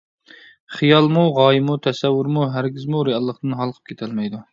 خىيالمۇ، غايىمۇ، تەسەۋۋۇرمۇ ھەرگىزمۇ رېئاللىقتىن ھالقىپ كېتەلمەيدۇ.